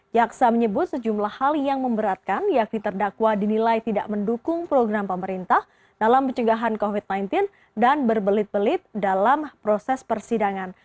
jaksa menyebut sejumlah hal yang memberatkan yakni terdakwa dinilai tidak mendukung program pemerintah dalam pencegahan covid sembilan belas dan berbelit belit dalam proses persidangan